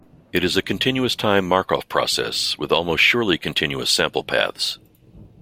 It is a continuous-time Markov process with almost surely continuous sample paths.